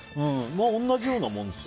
同じようなもんですよ。